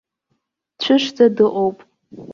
Дцәышӡа дыҟоуп.